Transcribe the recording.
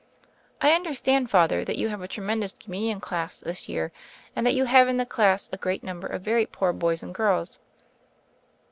"I understand. Father, that you have a tre mendous Communion class, this year, and that you have in the class a great number of very poor boys and girls."